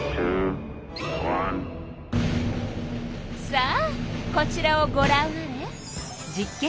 さあこちらをごらんあれ！